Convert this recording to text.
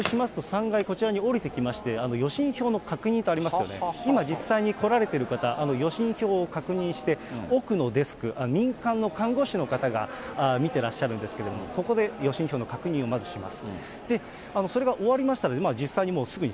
実際に受け付けをしますと３階、こちらに下りてきまして、予診票の確認とありますよね、今実際に来られてる方、予診票を確認して、奥のデスク、民間の看護師の方が見てらっしゃるんですけれども、ここで予診票の確認をまずします。